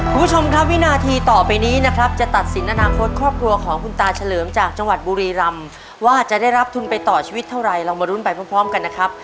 คุณผู้ชมครับวินาทีต่อไปนี้นะครับจะตัดสินอนาคตครอบครัวของคุณตาเฉลิมจากจังหวัดบุรีรำว่าจะได้รับทุนไปต่อชีวิตเท่าไรเรามารุ้นไปพร้อมกันนะครับ